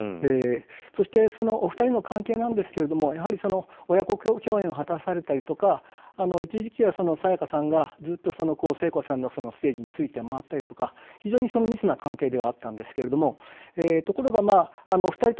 そしてお二人の関係ですがやはり親子共演を果たされたり一時期は沙也加さんが聖子さんのステージについて回ったりとか非常に密な関係ではあったんですがところがお二人共